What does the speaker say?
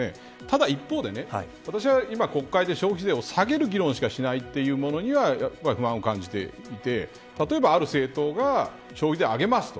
ただ一方で、私は今国会で消費税を下げる議論しかしないということには不安を感じていて例えば、ある政党が消費税を上げますと。